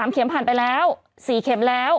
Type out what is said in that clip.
เข็มผ่านไปแล้ว๔เข็มแล้ว